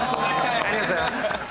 ありがとうございます。